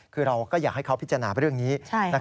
คือเราก็อยากให้เขาพิจารณาเรื่องนี้